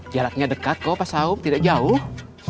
jalannya dekat kok pak saum tidak jauh